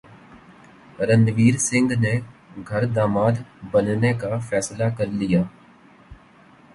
رنویر سنگھ نے گھر داماد بننے کا فیصلہ کر لیا